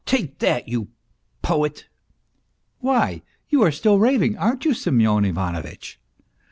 Take that, you poet !" T, you are still raving, aren't you, Semyon Ivanovitch